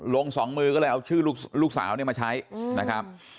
สองมือก็เลยเอาชื่อลูกสาวเนี่ยมาใช้นะครับ